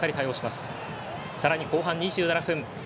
さらに後半２７分。